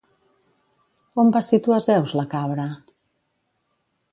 On va situar Zeus la cabra?